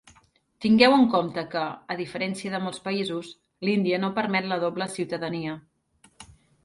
Tingueu en compte que, a diferència de molts països, l'Índia no permet la doble ciutadania.